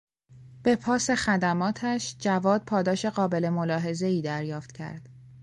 به پاس خدماتش، جواد پاداش قابل ملاحظهای دریافت کرد.